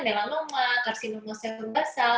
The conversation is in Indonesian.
melanoma karsinoma sel basal